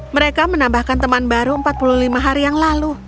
mereka menambahkan teman baru empat puluh lima hari yang lalu